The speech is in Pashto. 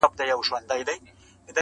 نن مي واخله پر سر یو مي سه تر سونډو,